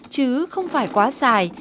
chứ không phải quá dài